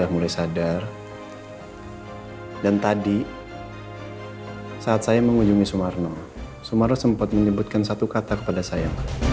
masih ada yang tidak tahu